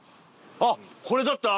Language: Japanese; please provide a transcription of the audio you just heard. あっ！